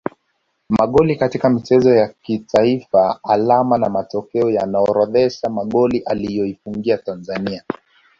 Magoli katika michezo ya kimataifa Alama na matokeo yanaorodhesha magoli aliyoifungia Tanzania